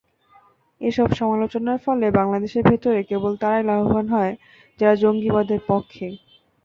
এসব সমালোচনার ফলে বাংলাদেশের ভেতরে কেবল তারাই লাভবান হয়, যারা জঙ্গিবাদের পক্ষে।